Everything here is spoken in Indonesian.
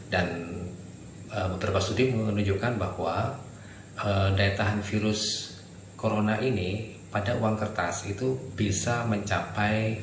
dan berpasudi menunjukkan bahwa daya tahan virus corona ini pada uang kertas itu bisa mencapai